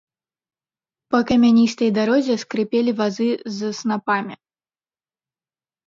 Па камяністай дарозе скрыпелі вазы з снапамі.